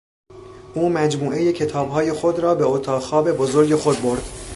او مجموعهی کتابهای خود را به اتاق خواب بزرگ خود برد.